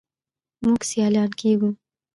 موږ سیالان کیږو.